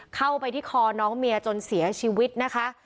เข้าไปที่คอน้องเมียจนเสียชีวิตนะคะ